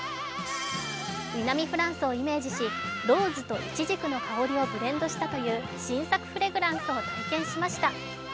南フランスをイメージしローズとイチジクの香りをブレンドしたという新作フレグランスを体験しました。